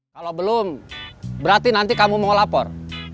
kalau belum berarti nanti kamu mau lapor